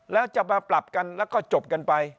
แล้วจะมาปรับกันแล้วก็จบกันไป